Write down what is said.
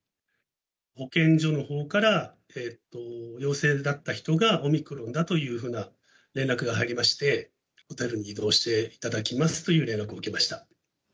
保健所のほうから陽性だった人がオミクロンだというふうな連絡が入りまして、ホテルに移動していただきますという連絡を受けました。